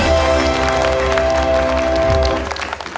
โอ้โฮ